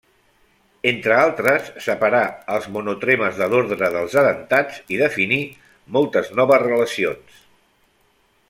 Entre altres, separà els monotremes de l'ordre dels edentats i definí moltes noves relacions.